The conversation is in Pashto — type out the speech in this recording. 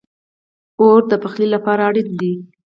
اور د پخلی لپاره اړین دی